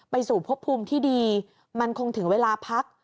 สู่พบภูมิที่ดีมันคงถึงเวลาพัก